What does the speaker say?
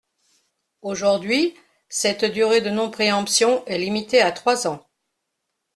Aujourd’hui, cette durée de non-préemption est limitée à trois ans.